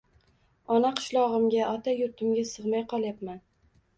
Ona qishlog‘imga ota yurtimga sig‘may qolyapman